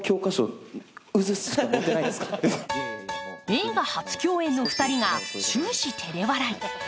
映画初共演の２人が終始てれ笑い。